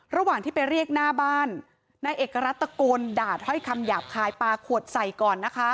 ระหว่างที่ไปเรียกหน้าบ้านนายเอกรัฐตะโกนด่าถ้อยคำหยาบคายปลาขวดใส่ก่อนนะคะ